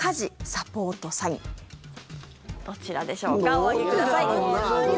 お上げください。